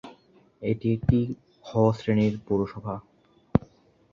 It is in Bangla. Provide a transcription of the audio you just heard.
এটি একটি 'খ' শ্রেণীর পৌরসভা।